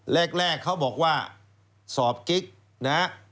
แรกเขาบอกว่าสอบกิ๊กนะฮะ